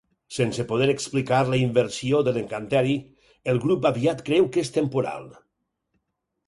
Sense poder explicar la inversió de l'encanteri, el grup aviat creu que és temporal.